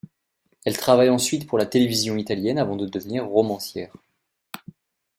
Elle travaille ensuite pour la télévision italienne avant de devenir romancière.